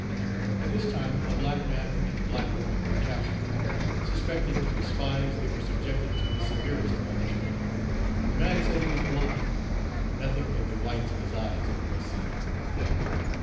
At this time a black man and a black woman were captured. Suspected to be spies, they were subjected to the severest punishment. The man said he was blind; nothing but the whites of his eyes were to be seen.